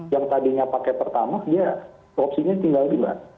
yang tadinya pakai pertamaks ya opsinya tinggal riba